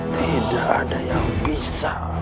tidak ada yang bisa